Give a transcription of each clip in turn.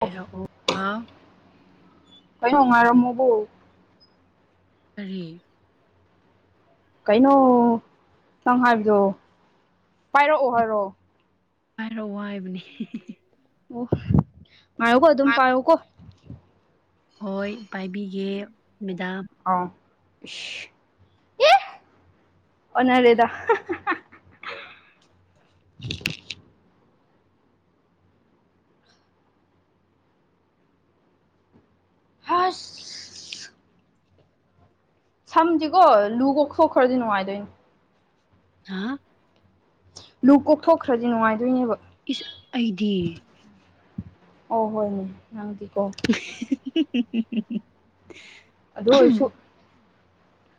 ꯍꯥꯏꯔꯛꯑꯣ ꯍꯥ ꯀꯩꯅꯣ ꯉꯥꯏꯔꯝꯃꯣꯀꯣ ꯀꯔꯤ ꯀꯩꯅꯣ ꯅꯪ ꯍꯥꯏꯕꯗꯣ ꯄꯥꯏꯔꯛꯑꯣ ꯍꯥꯏꯔꯣ [unintelligible] ꯑꯣ ꯉꯥꯏꯌꯣꯀꯣ ꯑꯗꯨꯝ ꯃꯥ ꯄꯥꯌꯣꯀꯣ ꯍꯣꯏ ꯄꯥꯏꯕꯤꯒꯦ ꯃꯦꯗꯥꯝ ꯑꯥꯎ ꯏꯁ ꯑꯦ ꯑꯣꯅꯔꯦꯗ [unintelligible] ꯁꯝꯗꯤꯀꯣ ꯂꯨ ꯀꯣꯛꯊꯣꯛꯈ꯭ꯔꯗꯤ ꯅꯨꯡꯉꯥꯏꯗꯣꯏꯅꯤ ꯍꯥ ꯂꯨ ꯀꯣꯛꯊꯣꯛꯈ꯭ꯔꯗꯤ ꯅꯨꯡꯉꯥꯏꯗꯣꯏꯅꯦꯕ ꯏꯁ ꯑꯩꯗꯤ ꯑꯣ ꯍꯣꯏꯅꯦ ꯅꯪꯗꯤꯀꯣ [unintelligible] ꯑꯗꯨ ꯑꯣꯏꯔꯁꯨ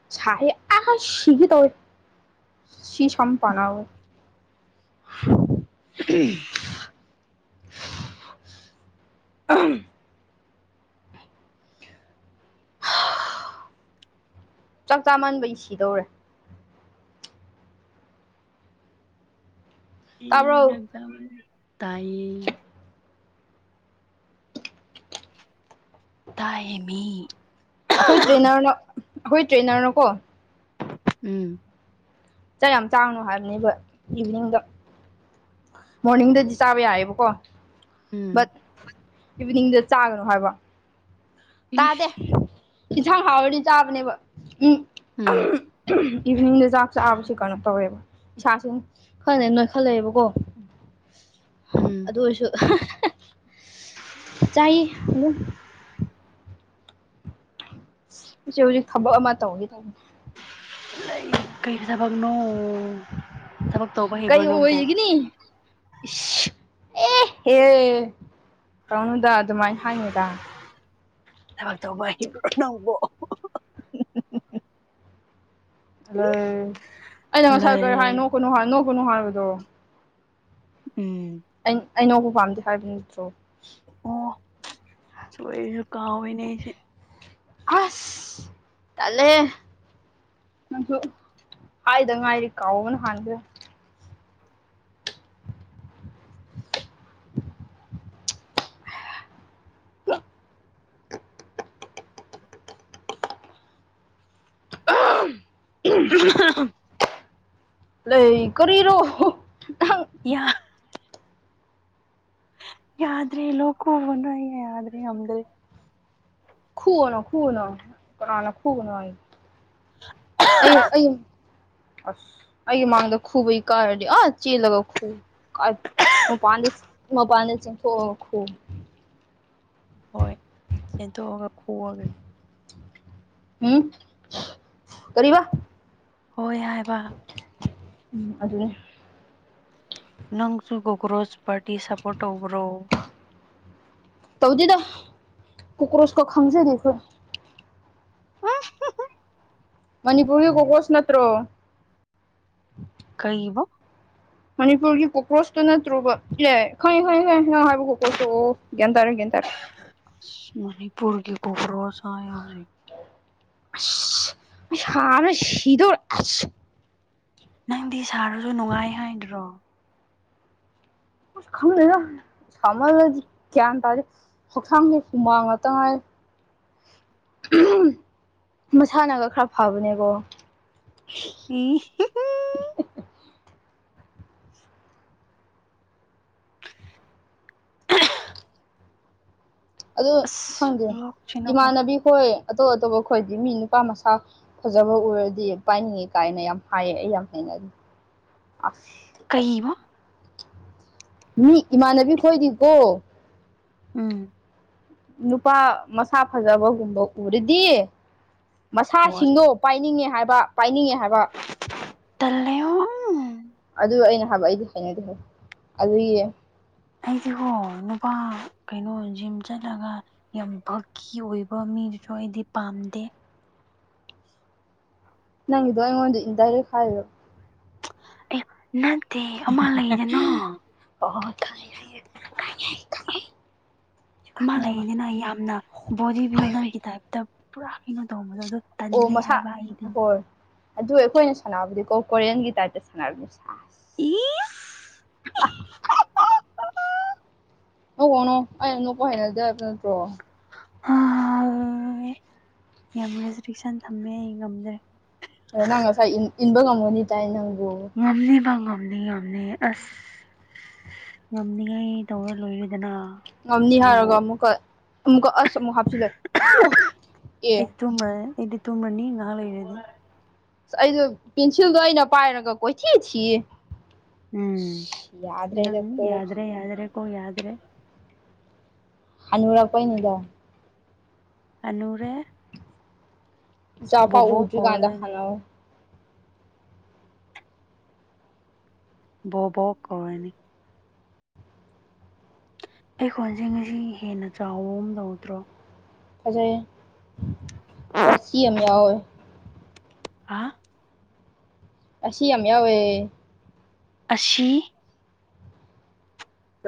ꯁꯥꯌꯦ ꯑꯁ ꯁꯤꯒꯦ ꯇꯧꯋꯦ ꯁꯤ ꯁꯝ ꯞꯥꯟꯅꯕꯗ [unintelligible] [unintelligible] ꯆꯥꯛ ꯆꯥ ꯃꯟꯕꯩ ꯁꯤꯗꯧꯔꯦ ꯇꯥꯕ꯭ꯔꯣ [unintelligible] ꯇꯥꯏꯌꯦ ꯇꯥꯏꯌꯦꯃꯤ ꯑꯩꯈꯣꯏ ꯇ꯭ꯔꯦꯅꯔꯅꯣ ꯑꯩꯈꯣꯏ ꯇ꯭ꯔꯦꯅꯔꯅꯣꯀꯣ ꯎꯝ ꯆꯥꯛ ꯌꯥꯝ ꯆꯥꯡꯅꯨ ꯍꯥꯏꯕꯅꯦꯕ ꯏꯚꯤꯅꯤꯡꯗ ꯃꯣꯔꯅꯤꯡꯗꯗꯤ ꯆꯥꯕ ꯌꯥꯔꯦꯕꯀꯣ ꯕꯠ ꯎꯝ ꯏꯚꯤꯅꯤꯡꯗ ꯆꯥꯒꯅꯨ ꯍꯥꯏꯕ ꯇꯥꯗꯦ ꯏꯁ ꯏꯟꯁꯥꯡ ꯍꯥꯎꯔꯗꯤ ꯆꯥꯕꯅꯦꯕ ꯎꯝ ꯎꯝ [unintelligible] ꯏꯚꯤꯅꯤꯡꯗ ꯆꯥꯛ ꯆꯥꯕꯁꯤ ꯀꯩꯅꯣ ꯇꯧꯋꯦꯕ ꯏꯁꯥꯁꯤꯡ ꯈꯔꯅꯦ ꯅꯣꯏꯈꯠꯂꯛꯑꯦꯕꯀꯣ ꯎꯝ ꯑꯗꯨ ꯑꯣꯏꯔꯁꯨ [unintelligible] ꯆꯥꯏꯌꯦ ꯑꯗꯨꯝ ꯍꯧꯖꯤꯛ ꯍꯧꯖꯤꯛ ꯊꯕꯛ ꯑꯃ ꯇꯧꯅꯤ ꯇꯧꯕꯅꯤ ꯂꯩ ꯀꯩ ꯊꯕꯛꯅꯣ ꯊꯕꯛ ꯇꯧꯕ ꯍꯩꯕ꯭ꯔꯥ ꯅꯪꯕꯨ ꯏ ꯑꯦꯍꯦ ꯇꯧꯅꯨꯗ ꯑꯗꯨꯃꯥꯏ ꯍꯥꯏꯅꯨꯗ ꯊꯕꯛ ꯇꯧꯕ ꯍꯩꯕ꯭ꯔꯣ ꯅꯪꯕꯣ ꯎꯝ ꯑꯩꯅ ꯉꯁꯥꯏ ꯀꯔꯤ ꯍꯥꯏ ꯂꯩ ꯅꯣꯛꯀꯅꯨ ꯍꯥꯏ ꯅꯣꯛꯀꯅꯨ ꯍꯥꯏꯕꯗꯣ ꯎꯝ ꯑꯩ ꯑꯩ ꯅꯣꯛꯄꯥ ꯄꯥꯝꯗꯦ ꯍꯥꯏꯕ ꯅꯠꯇ꯭ꯔꯣ ꯇꯨ ꯑꯩꯁꯨ ꯀꯥꯎꯋꯤꯅꯦ ꯑꯩꯁꯦ ꯑꯁ ꯇꯜꯂꯦꯍꯦ ꯅꯪꯁꯨ ꯍꯥꯏꯗ ꯉꯥꯏꯔꯤ ꯀꯥꯎꯕꯅ ꯍꯥꯟꯈ꯭ꯔꯦ [unintelligible] [unintelligible] [inaudible] ꯂꯩ ꯀꯔꯤꯔꯣ [unintelligible] ꯅꯪ [unintelligible] ꯌꯥꯗ꯭ꯔꯦ ꯂꯣꯛ ꯈꯨꯕꯗꯣ ꯌꯥꯗ꯭ꯔꯦ ꯉꯝꯗ꯭ꯔꯦ ꯈꯨꯨꯒꯅꯣ ꯈꯨꯨꯒꯅꯣ ꯀꯅꯅꯥ ꯈꯨꯨꯒꯅꯣ ꯍꯥꯏꯌꯦ ꯑꯩ ꯑꯌꯨꯝ ꯑꯁ ꯑꯩꯒꯤ ꯃꯥꯡꯗ ꯈꯨꯕꯩ ꯀꯥꯔꯗꯤ ꯑꯥ ꯆꯦꯜꯂꯒ ꯈꯨ ꯀ ꯃ ꯄꯥꯟꯗ ꯃ ꯄꯥꯟꯗ ꯆꯊꯈ ꯍꯣꯏ ꯁꯦꯟꯗꯣꯛꯑꯒ ꯈꯑꯒꯦ ꯎꯝ ꯀ ꯍꯣꯏ ꯍꯥꯏꯕ ꯎꯝ ꯑꯗꯨꯗ ꯅꯪꯁꯨ ꯀꯣꯀ꯭ꯔꯣꯁ ꯄꯥꯔꯇꯤ ꯁꯄꯣꯔꯠ ꯇꯧꯕ꯭ꯔꯣ ꯇꯧꯗꯦꯗ ꯀꯣꯀ꯭ꯔꯣꯁꯀꯣ ꯈꯪꯖꯔꯤ ꯑꯩꯈꯣꯏ ꯑ ꯃꯅꯤꯄꯨꯔꯔꯒꯤ ꯀꯣꯀꯣꯁ ꯅꯠꯇ꯭ꯔꯣ ꯀꯩꯕ ꯃꯅꯤꯄꯨꯔꯒꯤ ꯀꯣꯀ꯭ꯔꯣꯁꯇꯣ ꯅꯠꯇ꯭ꯔꯣꯕ ꯏ ꯈꯪꯉ ꯈꯪ ꯈ ꯈ ꯍꯥꯏꯕ ꯀꯣꯀ꯭ꯔꯣꯁꯇꯣ ꯑꯣ ꯒꯤ ꯇꯔ ꯒꯤ ꯇꯔ ꯃꯅꯤꯄꯨꯔꯒꯤ ꯄꯨꯈ꯭ꯔꯣꯁ ꯍꯧꯖꯤꯛ ꯑꯁ ꯁꯥꯕꯅ ꯁꯤꯗꯧꯔꯦ ꯑꯁ ꯅꯪꯗꯤ ꯁꯥꯔꯁꯨ ꯅꯨꯡꯉꯥꯏ ꯍꯥꯏꯗ꯭ꯔꯣ ꯑꯁ ꯈꯪꯗꯦꯗꯥꯃꯜꯂꯗꯤ ꯒ꯭ꯌꯥꯟ ꯇꯥꯔꯦ ꯍꯛꯆꯥꯡꯁꯦ ꯍꯨꯃꯥꯡ ꯉꯥꯛꯇ ꯉꯥꯏ ꯃꯁꯥꯟꯅꯒ ꯈꯔ ꯐꯕꯅꯦꯀꯣ ꯎꯝ ꯑꯗꯨ ꯈꯪꯗꯦ ꯑꯁ ꯂꯣꯛꯁꯤꯅꯀꯣ ꯏꯃꯥꯟꯅꯕꯤ ꯈꯣꯏ ꯑꯇꯣꯞ ꯑꯇꯣꯞꯄ ꯈꯣꯏꯗꯤ ꯃꯤ ꯅꯨꯄꯥ ꯃꯆꯥꯥ ꯐꯖꯕ ꯎꯔꯗꯤ ꯄꯥꯏꯅꯤ ꯀꯥꯏꯅ ꯌꯥꯝ ꯍꯥꯏꯌꯦ ꯑꯩ ꯌꯥꯝ ꯍꯩꯅ ꯑꯁ ꯀꯍꯕ ꯃꯤ ꯏꯃꯥꯟꯅꯕꯤ ꯈꯣꯏꯗꯤꯕꯣ ꯎꯝ ꯅꯨꯄꯥ ꯃꯁꯥ ꯐꯖꯕꯒꯨꯝꯕ ꯎꯔꯗꯤ ꯍꯣꯏ ꯃꯁꯥꯁꯤꯡꯗꯣ ꯄꯥꯏꯅꯤꯡꯉꯦ ꯍꯥꯏꯕ ꯄꯥꯏꯅꯤꯡꯉꯦ ꯍꯥꯏꯕ ꯇꯂꯣ ꯑꯗꯨ ꯑꯩꯅ ꯍꯥꯏꯕ ꯑꯩꯗꯤ ꯍꯥꯏꯅꯗꯦ ꯑꯗꯨꯒꯤ ꯑꯩꯁꯤ ꯍꯣ ꯅꯨꯄꯥ ꯀꯩꯅꯣ ꯖꯤꯝ ꯆꯠꯂꯒ ꯌꯥꯝ ꯐꯕꯛꯀꯤ ꯑꯣꯏꯕ ꯃꯤꯗꯨꯁꯨ ꯑꯩꯗꯤ ꯄꯥꯝꯗꯦ ꯅꯪꯒꯤꯗꯣ ꯑꯩꯉꯣꯟꯗ ꯏꯟꯗꯥꯏꯔꯦꯛ ꯍꯥꯏꯔꯤꯔꯣ ꯑꯦ ꯅꯠꯇꯦ ꯑꯃ ꯂꯩꯗꯅ ꯍ ꯑꯍ ꯑꯃ ꯈꯪꯉꯦꯕ ꯂꯩꯌꯦꯅꯦ ꯌꯥꯝꯅ ꯕꯣꯗꯤ ꯍꯣꯏ ꯕꯤꯜꯗꯔꯒꯤ ꯇꯥꯏꯞꯇ ꯄꯨꯔꯥ ꯀꯩꯅꯣ ꯇꯧꯕꯝꯕꯗꯣ ꯑꯣ ꯑꯣ ꯃꯁꯥ ꯍꯣꯏ ꯑꯗꯨ ꯑꯩꯈꯣꯏꯅ ꯁꯥꯟꯅꯕꯗꯤꯀꯣ ꯀꯣꯔꯤꯌꯟꯒꯤ ꯇꯥꯏꯞꯇ ꯁꯥꯟꯅꯔꯝꯅꯤꯁꯦ ꯏꯁ ꯑ ꯑꯣ ꯀꯅꯣ ꯑ ꯄꯥꯏꯅꯗ ꯅꯠꯇ꯭ꯔꯣ ꯑ ꯌꯥꯝ ꯔꯦꯁꯇ꯭ꯔꯤꯛꯁꯟ ꯊꯝꯃꯦ ꯑꯩ ꯉꯝꯖꯔꯦ ꯅꯪꯁ ꯏ ꯏꯟꯕꯒ ꯀꯝꯒꯣꯟꯗꯥꯏ ꯅꯪꯕꯨ ꯉꯝꯅꯤꯕ ꯉꯝꯅꯤ ꯉꯝꯅꯤ ꯑꯁ ꯉꯝꯅꯤꯉꯥꯏ ꯇꯧꯔ ꯂꯣꯏꯔꯗꯅ ꯉꯝꯅꯤ ꯍꯥꯏꯔꯒ ꯑꯃꯨꯛꯀ ꯑꯃꯨꯛꯀ ꯑꯁ ꯑꯃꯨꯛ ꯍꯥꯞꯆꯤꯜꯂ ꯑꯣ ꯑꯦ ꯇꯣꯡꯕ꯭ꯔ ꯏꯗꯤ ꯇꯣꯡꯕꯅꯤ ꯉꯥ ꯑꯦꯗꯤ ꯑꯩꯗꯣ ꯄꯦꯟꯁꯤꯜꯗꯣ ꯑꯩꯅ ꯄꯥꯏꯔꯒ ꯀꯣꯏꯊꯤ ꯊꯌꯦ ꯎꯝ ꯅꯪ ꯀꯣꯛꯁꯦ ꯌꯥꯗ꯭ꯔꯦ ꯌꯥꯗ꯭ꯔꯦ ꯀꯣ ꯌꯥꯗ꯭ꯔꯦ ꯍꯥꯟꯒꯨꯔ ꯄꯅꯤꯗ ꯀꯅꯦ ꯏꯆꯥ ꯐꯥꯎ ꯎꯗ꯭ꯔꯤꯒꯥꯟꯗ ꯀꯧꯔꯗꯣꯏꯅꯤ ꯈꯟꯅꯧ ꯕꯕꯣ ꯀꯅꯤ ꯑꯩꯈꯣꯟꯁꯤꯡ ꯑꯁꯤ ꯍꯦꯟꯅ ꯆꯥꯎꯕ ꯑꯃ ꯂꯧꯗ꯭ꯔꯣ ꯐꯖꯩ ꯔꯥꯁꯤ ꯌꯥꯝ ꯌꯥꯎꯑꯦ꯫ ꯍꯥ꯫ ꯔꯥꯁꯤ ꯌꯥꯝ ꯌꯥꯎꯋꯦ꯫ ꯑꯁꯤ꯫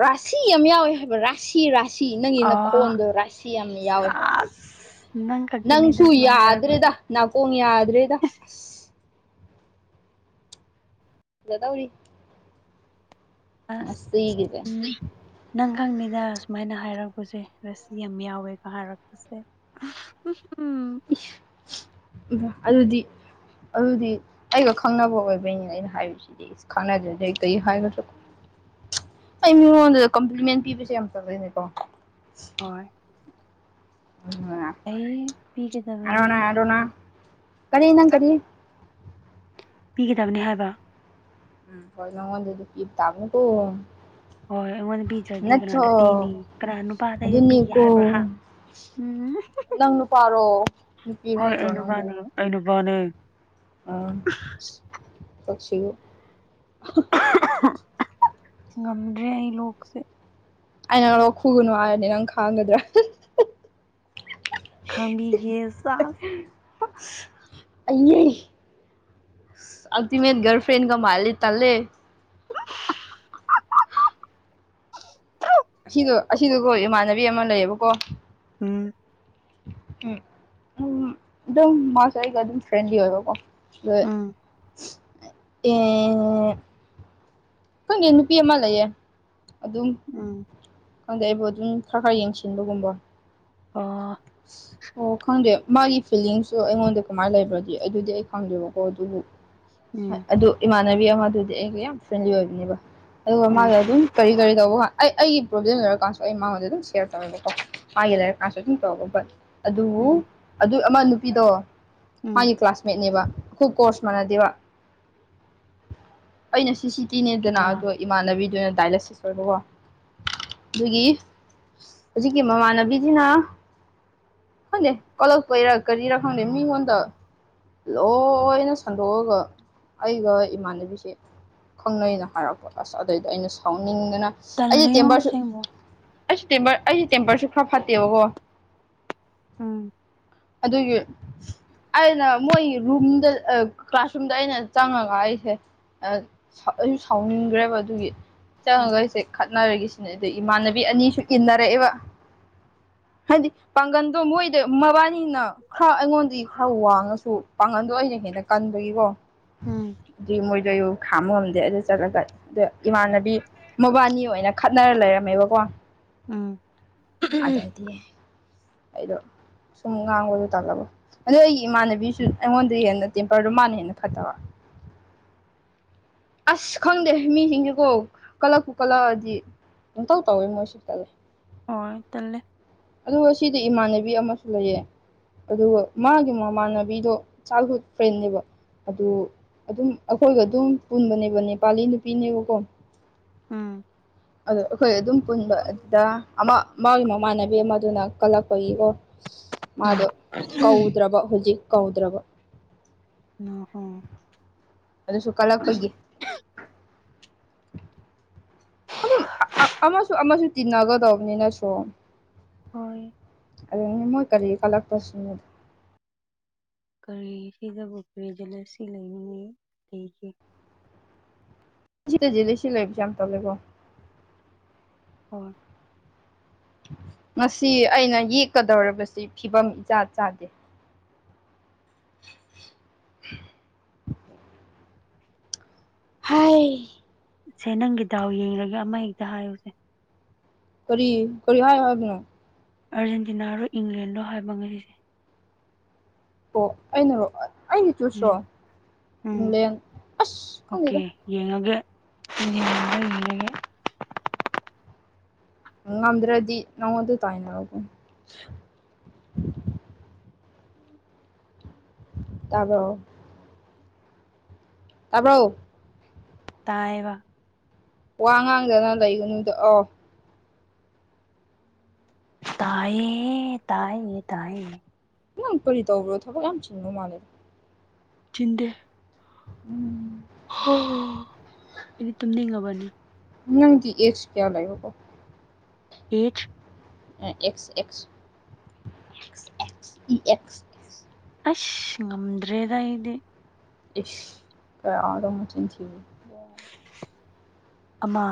ꯔꯥꯁꯤ ꯌꯥꯝ ꯌꯥꯎꯋꯦ ꯍꯥꯏꯕ ꯔꯥ ꯥꯁꯤ ꯔꯥꯁꯤ ꯅꯪꯒꯤ ꯑ ꯅꯈꯣꯟꯗꯣ ꯔꯥꯁꯤ ꯌꯥꯝꯅ ꯌꯥꯎꯋꯦ ꯍꯥꯏꯕ꯫ ꯆꯥꯁ ꯅꯪ ꯈꯛꯇꯅꯤꯗ ꯅꯪꯁꯨ ꯁꯨꯃꯥꯏꯅ ꯍꯥꯏꯔꯛꯄꯁꯦ ꯌꯥꯗ꯭ꯔꯦꯗ ꯅꯥꯀꯣꯡ ꯌꯥꯗ꯭ꯔꯦꯗ꯫ ꯑꯁ ꯖꯗꯧꯔꯤ꯫ ꯑꯁ꯫ ꯉꯁꯤꯒꯤꯁꯦ [unintelligible] ꯅꯪ ꯈꯪꯅꯤꯗ ꯁꯨꯃꯥꯏꯅ ꯍꯥꯏꯔꯛꯄꯁꯦ ꯔꯥꯁꯤ ꯌꯥꯝ ꯌꯥꯎꯋꯦꯀ ꯍꯥꯏꯔꯛꯄꯁꯦ꯫ [unintelligible] ꯑꯗꯨꯗꯤ ꯑꯗꯨꯗꯤ ꯑꯩꯒ ꯈꯪꯅꯕ ꯑꯣꯏꯕꯩꯅꯤꯅꯦ ꯑꯩꯅ ꯍꯥꯏꯔꯤꯁꯤꯗꯤ꯫ ꯏꯁ꯫ [inaudible] ꯑꯩ ꯃꯤꯉꯣꯟꯗ ꯀꯝꯄ꯭ꯂꯤꯃꯦꯟ ꯄꯤꯕꯁꯦ ꯌꯥꯝ ꯐꯖꯩꯅꯦꯀꯣ꯫ ꯍꯣꯏ ꯑꯩ ꯄꯤꯒꯗꯕꯅꯤ꯫ ꯑꯗꯨꯅ ꯑꯗꯨꯅ ꯀꯔꯤ ꯅꯪ ꯀꯔꯤ꯫ ꯄꯤꯒꯗꯕꯅꯤ ꯍꯥꯏꯕ꯫ ꯎꯝ ꯍꯣꯏ ꯅꯪꯉꯣꯟꯗꯗꯤ ꯄꯤꯕ ꯇꯥꯕꯅꯤꯀꯣ꯫ ꯍꯣꯏ ꯑꯩꯉꯣꯟꯗ ꯄꯤꯗ꯭ꯔꯗꯤ ꯅꯠꯇ꯭ꯔꯣ ꯀꯅꯥꯗ ꯄꯤꯅꯤ ꯀꯅꯥ ꯅꯨꯄꯥꯗ ꯄꯤꯒꯦ ꯑꯗꯨꯅꯤꯀꯣ ꯍꯥꯏꯕ꯭ꯔꯥ ꯍꯥ꯫ ꯅꯪ ꯅꯨꯄꯥꯔꯣ [unintelligible] ꯅꯨꯄꯤꯔꯣ ꯍꯣꯏ ꯑꯩ ꯅꯠꯇ꯭ꯔꯣ ꯅꯪꯕꯨ ꯅꯨꯄꯥꯅꯦ ꯑꯩ ꯅꯨꯄꯥꯅꯦ꯫ [inaudible] ꯉꯝꯗ꯭ꯔꯦ ꯑꯩ ꯂꯣꯛꯁꯦ꯫ ꯑ ꯅꯪ ꯂꫭꯛ ꯈꯨꯒꯅꯨ ꯍꯥꯏꯔꯗꯤ ꯅꯪ ꯈꯥꯡꯒꯗ꯭ꯔꯥ꯫ ꯈꯥꯡꯕꯤꯒꯦ ꯁꯥꯁ꯫ [unintelligible] ꯑꯜꯇꯤꯃꯦꯠ ꯒꯜꯐ꯭ꯔꯦꯟꯒ ꯃꯥꯜꯂꯦ ꯇꯜꯂꯦ꯫ [unintelligible] ꯑꯁꯤꯗꯣ ꯑꯁꯤꯗꯒꯣ ꯏꯃꯥꯟꯅꯕꯤ ꯑꯃ ꯂꯩꯌꯦꯕꯀꯣ꯫ ꯎꯝ꯫ ꯎꯝ ꯎꯝ ꯗꯨꯝ ꯃꯥꯁꯦ ꯑꯩꯒ ꯐ꯭ꯔꯦꯟꯂꯤ ꯑꯣꯏꯕꯀꯣ꯫ ꯎꯝ [unintelligible] ꯈꯪꯗꯦ ꯅꯨꯄꯤ ꯑꯃ ꯂꯩꯌꯦ ꯑꯗꯨꯝ ꯎꯝ ꯈꯪꯗꯦ ꯑꯩꯕꯨ ꯑꯗꯨꯝ ꯈꯔ ꯈꯔ ꯌꯦꯡꯁꯤꯟꯕꯒꯨꯝꯕ꯫ ꯑꫭ꯫ [inaudible] ꯑꯣ ꯈꯪꯗꯦ ꯃꯥꯒꯤ ꯐꯤꯂꯤꯡꯁꯨ ꯑꯩꯉꯣꯟꯗ ꯀꯃꯥꯏꯅ ꯂꯩꯕ꯭ꯔꯗꯤ ꯑꯩꯗꯤ ꯑꯗꯨꯗꯤ ꯑꯩ ꯈꯪꯗꯦꯕꯀꯣ ꯑꯗꯨꯕꯨ ꯍ ꯎꯝ ꯑꯗꯨ ꯏꯃꯥꯟꯅꯕꯤ ꯑꯃꯗꯨꯗꯤ ꯑꯩꯒ ꯌꯥꯝ ꯐ꯭ꯔꯦꯟꯂꯤ ꯑꯣꯏꯕꯅꯦꯕ ꯑꯗꯨꯒ ꯎꯝ ꯃꯥꯒ ꯑꯗꯨꯝ ꯀꯔꯤ-ꯀꯔꯤ ꯇꯧꯕ ꯉꯥ ꯑꯩ ꯑꯩꯒꯤ ꯄ꯭ꯔꯣꯕ꯭ꯂꯦꯝ ꯂꯩꯔꯀꯥꯟꯁꯨ ꯑꯩ ꯃꯉꯣꯟꯗ ꯑꯗꯨꯝ ꯁꯦꯔ ꯇꯧꯋꯦꯕꯀꯣ ꯃꯥꯒꯤ ꯂꯩꯔꯀꯥꯟꯁꯨ ꯑꯗꯨꯝ [inaudible] ꯑꯗꯨꯕꯨ ꯎꯝ ꯑꯗꯨ ꯑꯃ ꯅꯨꯄꯤꯗꯣ ꯎꯝ ꯃꯥꯒꯤ ꯀ꯭ꯂꯥꯁ ꯃꯦꯠꯅꯦꯕ ꯈꯨ ꯀꯣꯔꯁ ꯃꯅꯥꯗꯦꯕ꯫ ꯑꯩꯅ ꯁꯤ ꯁꯤ ꯇꯤꯅꯦꯗꯅ ꯑꯗꯣ ꯑꯥ ꯏꯃꯥꯟꯅꯕꯤꯗꯨꯅ ꯗꯥꯏꯂꯦꯁꯤꯁ ꯑꯣꯏꯕꯀꯣ꯫ ꯗꯨꯒꯤ ꯍꯧꯖꯤꯛꯀꯤ ꯃꯃꯥꯟꯅꯕꯤꯁꯤꯅ ꯈꯪꯗꯦ ꯀꯂꯛꯄꯩꯔꯥ ꯀꯔꯤꯔꯥ ꯈꯪꯗꯦ ꯃꯤꯉꯣꯟꯗ ꯂꯣꯏꯅ ꯁꯟꯗꯣꯛꯑꯒ ꯑꯩꯒ ꯏꯃꯥꯟꯅꯕꯤꯁꯦ ꯈꯪꯅꯩꯅ ꯍꯥꯏꯔꯛꯄ ꯑꯁ ꯑꯗꯩꯗ ꯑꯩꯅ ꯁꯥꯎꯅꯤꯡꯗꯅ ꯑꯩꯗꯤ ꯇꯜꯂꯦꯉꯣ ꯇꯦꯝꯕꯔꯁꯨ ꯑꯁꯦꯡꯕ ꯑꯩꯁꯨ ꯇꯦꯝꯄꯔ ꯑꯩꯁꯨ ꯇꯦꯝꯄꯔꯁꯨ ꯈꯔ ꯐꯠꯇꯦꯕꯀꯣ꯫ ꯎꯝ꯫ ꯑꯗꯨꯒꯤ ꯑꯩꯅ ꯃꯣꯏ ꯔꯨꯝꯗ ꯑ ꯀ꯭ꯂꯥꯁꯔꯨꯝꯗ ꯑꯩꯅ ꯆꯪꯉꯒ ꯑꯩꯁꯦ ꯑꯩꯁꯨ ꯁꯥꯎꯅꯤꯡꯈ꯭ꯔꯦꯕ ꯑꯗꯨꯒꯤ ꯆꯪꯉꯒ ꯑꯩꯁꯦ ꯆꯣꯠꯅꯔꯦꯁꯤꯅꯦ ꯑꯗꯨ ꯏꯃꯥꯟꯅꯕꯤ ꯑꯅꯤꯁꯨ ꯏꯟꯅꯔꯛꯑꯦꯕ ꯍꯥꯏꯗꯤ ꯄꯥꯡꯒꯟꯗꯣ ꯃꯣꯏꯗ ꯃꯕꯥꯅꯤ ꯑꯩꯅ ꯈꯔ ꯑꯩꯉꯣꯟꯗꯤ ꯈꯔ ꯋꯥꯡꯉꯁꯨ ꯄꯥꯡꯒꯟꯗꯣ ꯑꯩꯅ ꯍꯦꯟꯅ ꯀꯟꯕꯒꯤꯀꯣ ꯎꯝ ꯑꯗꯨ ꯃꯣꯏꯗꯣ ꯈꯥꯝꯕ ꯉꯝꯗꯦ ꯑꯗꯨ ꯆꯠꯂꯒ ꯑꯗ ꯏꯃꯥꯟꯅꯕꯤ ꯃꯕꯥꯅꯤ ꯑꯣꯏꯅ ꯈꯠꯅꯔ ꯂꯩꯔꯝꯃꯦꯕꯀꯣ ꯎꯝ ꯑꯗꯩꯩꯗꯤ ꯑꯩꯗꯣ ꯁꯨꯝ ꯉꯥꯡꯕꯗꯣ ꯇꯜꯂꯕ ꯑꯗꯣ ꯑꯩꯒꯤ ꯏꯃꯥꯟꯅꯕꯤꯁꯨ ꯑꯩꯉꯣꯟꯗꯩꯩ ꯍꯦꯟꯅ ꯇꯦꯝꯄꯔꯗꯨ ꯃꯥꯟꯅ ꯍꯦꯟꯅ ꯐꯠꯇꯕ꯫ ꯑꯁ ꯈꯪꯗꯦ ꯃꯤꯁꯤꯡꯁꯦꯀꯣ ꯀꯂꯛꯄꯨ ꯀꯠꯂꯛꯑꯗꯤ ꯄꯪꯇꯧ ꯇꯧꯋꯦ ꯃꯣꯏꯁꯦ ꯇꯜꯂꯦ꯫ ꯍꯣꯏ ꯇꯜꯂꯤ꯫ ꯑꯗꯨ ꯉꯁꯤꯗꯤ ꯏꯃꯥꯟꯅꯕꯤ ꯑꯃꯁꯨ ꯂꯩꯌꯦ꯫ ꯑꯗꯨꯒ ꯃꯥꯒꯤ ꯃꯃꯥꯟꯅꯕꯤꯗꯣ ꯆꯥꯏꯜꯍꯨꯗ ꯐ꯭ꯔꯦꯟ ꯅꯦꯕ꯫ ꯑꯗꯨ ꯑꯗꯨꯝ ꯑꯩꯈꯣꯏꯒ ꯑꯗꯨꯝ ꯄꯨꯟꯕꯅꯦꯕꯀꯦ ꯅꯦꯄꯥꯂꯤ ꯅꯨꯄꯤꯅꯦꯕꯀꯣ꯫ ꯎꯝ ꯑꯗꯣ ꯑꯩꯈꯣꯏ ꯑꯗꯨꯝ ꯄꯨꯟꯕ ꯑꯗꯨꯗ ꯑꯃ ꯃꯥꯒꯤ ꯃꯃꯥꯟꯅꯕꯤ ꯑꯃꯗꯨꯅ ꯀꯜꯂꯛꯄꯒꯤꯀꯣ꯫ ꯃꯥꯗꯣ ꯀꯧꯗ꯭ꯔꯕ ꯍꯧꯖꯤꯛ ꯀꯧꯗ꯭ꯔꯕ ꯅꯍꯣ ꯑꯗꯨꯁꯨ ꯀꯂꯛꯄꯥꯒꯤ꯫ ꯑꯗꯨꯝ ꯑ ꯑꯃꯁꯨ ꯑꯃꯁꯨ ꯇꯤꯟꯅꯒꯗꯧꯕꯅꯤꯅ ꯁꯨꯃ꯫ ꯍꯣꯏ ꯑꯗꯨꯅꯦ ꯃꯣꯏ ꯀꯔꯤ ꯀꯜꯂꯛꯄꯁꯤꯅꯦꯗ ꯀꯔꯤ ꯁꯤꯗꯕꯨ ꯀꯔꯤꯗ ꯔꯦꯁꯤ ꯂꯩꯔꯨꯅꯤ ꯀꯩꯒꯤ꯫ ꯁꯤꯗꯗꯤ ꯂꯤꯁꯤ ꯑꯦꯛꯖꯝ ꯇꯧꯗꯦꯀꯣ꯫ ꯍ ꯉꯁꯤ ꯑꯩꯅ ꯌꯦꯛꯀꯗꯧꯔꯤꯕꯁꯤ ꯐꯤꯕꯝ ꯏꯆꯥ ꯆꯥꯗꯦ꯫ [inaudible] ꯍꯥꯏ ꯁꯦ ꯅꯪꯒꯤ ꯗꯥꯎ ꯌꯦꯡꯂꯒꯦ ꯑꯃ ꯍꯦꯛꯇ ꯍꯥꯏꯌꯨꯁꯦ꯫ ꯀꯔꯤ ꯀꯔꯤ ꯍꯥꯏꯎ ꯍꯥꯏꯕꯔꯥ꯫ ꯑꯥꯔꯖꯦꯟꯇꯤꯅꯥꯔꯣ ꯏꯪꯂꯦꯟꯗꯣ ꯍꯥꯏꯕ ꯉꯁꯤꯁꯦ꯫ ꯑꯣ ꯑꯩꯅꯔꯣ ꯑꯩꯩꯅ ꯆꯨꯁꯔꯣ ꯎꯝ ꯎꯝ ꯏꯪꯂꯦꯟ ꯑꯁ ꯈꯪꯗꯦꯗ꯫ ꯑꯣꯀꯦ ꯌꯦꯡꯉꯒꯦ ꯃꯤ ꯌꯦꯡꯒ ꯌꯦꯡꯉꯒꯦ꯫ ꯉꯝꯗ꯭ꯔꯗꯤ ꯅꯪꯉꯣꯟꯗ ꯇꯥꯏꯅꯔꯛꯇꯣꯏ꯫ ꯇꯥꯕꯔꯣ ꯇꯥꯔꯕꯣ ꯇꯥꯏꯕ ꯋꯥ ꯉꯥꯡꯗꯅ ꯂꯩꯒꯅꯨꯗ ꯑꯣ꯫ ꯇꯌꯦ ꯇꯥꯏꯌꯦ ꯇꯌꯦ ꯅꯪ ꯀꯔꯤ ꯇꯧꯕ꯭ꯔꯣ ꯊꯕꯛ ꯌꯥꯝ ꯆꯤꯟꯕꯣ ꯃꯥꯜꯂꯦ ꯆꯤꯟꯗꯦ ꯎꯝ ꯍꯣꯏ ꯑꯩꯗꯤ ꯇꯨꯝꯅꯤꯡꯉꯕꯅꯤ꯫ ꯅꯪ ꯑꯦꯁ ꯀꯌꯥ ꯂꯩꯦꯣ ꯑꯩꯠ ꯑꯦꯛꯁ ꯑꯦꯛꯁ ꯑꯦ ꯏ ꯑꯦꯁ ꯑꯁ ꯉꯝꯗ꯭ꯔꯦꯗ ꯑꯩꯗꯤ꯫ ꯀꯌꯥꯗ ꯃꯆꯤꯟ ꯊꯤꯔꯤꯅꯣ꯫ ꯑꯃ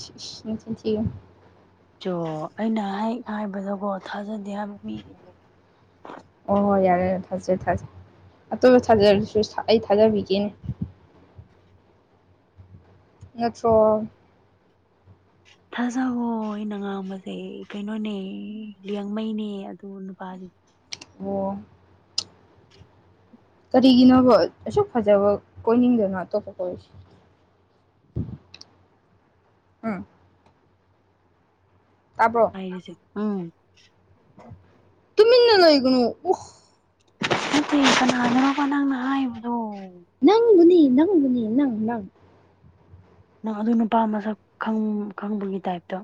ꯆ ꯆ ꯅꯆꯤꯟꯊꯤꯒꯟ ꯆꯣ ꯑꯩꯅ ꯍꯥꯏꯕꯗꯀꯣ ꯊꯥꯖꯗꯦ ꯍꯥꯏꯕ ꯃꯤ ꯑꯣ ꯍꯣꯏ ꯌꯥꯔꯦ ꯌꯥꯔꯦ ꯊꯥꯖꯩ ꯊꯥꯖꯩ ꯑꯇꯣꯞꯄ ꯊꯥꯖꯔꯁꯨ ꯑꯩ ꯊꯥꯖꯕꯤꯒꯦꯅꯦ ꯅꯠꯇ꯭ꯔꯣ ꯊꯥꯖꯋꯣ ꯑꯩꯅ ꯉꯥꯡꯕꯁꯦ ꯀꯩꯅꯣꯅꯦ ꯂꯌꯥꯡꯉꯩꯅꯦ ꯑꯗꯨ ꯅꯨꯄꯥꯗꯨꯗꯤ ꯑꯣ ꯀꯔꯤꯒꯤꯅꯣꯕꯣ ꯑꯁꯨꯛ ꯐꯖꯕ ꯀꯣꯏꯅꯤꯡꯗꯣꯏꯅꯣ ꯑꯇꯣꯞꯄ ꯀꯣꯏꯁꯤ ꯑ ꯇꯥꯕ꯭ꯔꯣ ꯁꯤꯖꯦ ꯎꯝ ꯇꯨꯃꯤꯟꯅ ꯂꯩꯒꯅꯣ ꯑꯣ꯫ ꯅꯠꯇꯦ ꯀꯅꯥꯅꯣꯕ ꯅꯪꯅ ꯍꯥꯏꯕꯗꯣ꯫ ꯅꯪꯕꯨꯅꯤ ꯅꯪꯕꯨꯅꯤ ꯅꯪ ꯅꯪ꯫ ꯅꯪ ꯑꯗꯨ ꯅꯨꯄꯥ ꯃꯁꯛ ꯈꯪꯕꯒꯤ ꯇꯥꯏꯞꯇ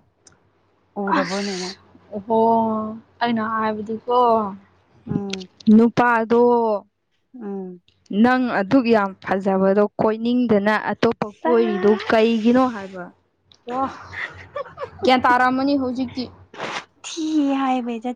ꯎꯔꯕꯅꯦꯅꯪ ꯫ ꯑꯣꯍꯣ ꯑꯩꯅ ꯍꯥꯏꯕꯗꯤꯀꯣ ꯎꯝ ꯅꯨꯄꯥꯗꯣ ꯎꯝ ꯅꯪ ꯑꯗꯨꯛ ꯌꯥꯝ ꯐꯖꯕꯗꯣ ꯀꯣꯏꯅꯤꯡꯗꯅ ꯑꯇꯣꯞꯄ ꯀꯣꯏꯔꯤꯗꯨ ꯆꯥꯁ ꯀꯩꯒꯤꯅꯣ ꯍꯥꯏꯕ ꯑꯣ ꯒ꯭ꯌꯥꯟ ꯇꯥꯔꯝꯃꯅꯤ ꯍꯧꯖꯤꯛꯇꯤ ꯊꯤ ꯍꯥꯏ ꯩꯖ